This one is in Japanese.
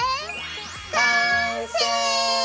完成！